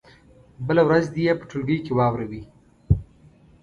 بله ورځ دې یې په ټولګي کې واوروي.